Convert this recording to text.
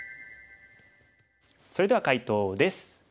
それでは解答です。